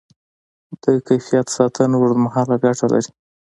د کیفیت ساتنه اوږدمهاله ګټه لري.